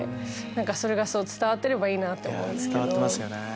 それが伝わってればいいなと思うんですけど。